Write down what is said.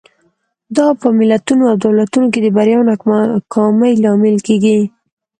دا په ملتونو او دولتونو کې د بریا او ناکامۍ لامل کېږي.